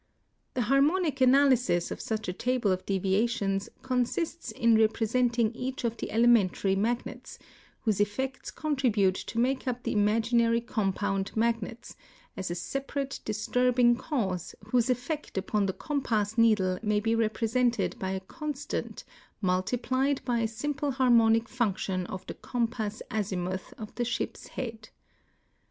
The harmonic analysis of such a table of deviations consists in representing each of the element ar}' magnets, whose effects contribute to make up the imaginary compound magnets, as a separate disturbing cause whose effect upon the compass needle may be represented by a constant multiplied b}' a simple harmonic function of the compass azi muth of the ship's head.